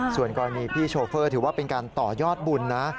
ส่วนกรณีพี่โชเฟอร์ถือว่าเป็นการต่อยอดบุญนะ